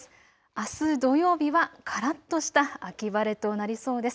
あす土曜日はからっとした秋晴れとなりそうです。